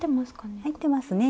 入ってますかね？